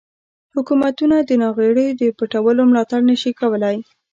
حکومتونه د ناغیړیو د پټولو ملاتړ نشي کولای.